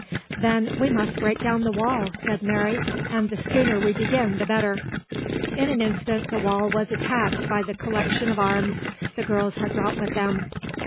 'Then we must break down the wall,' said Mary, 'and the sooner we begin the better.' In an instant the wall was attacked by the collection of arms the girls had brought with them.